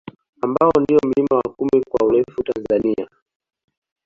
Ambao ndio mlima wa kumi kwa urefu Tanzania